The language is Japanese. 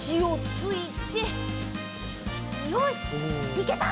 いけた！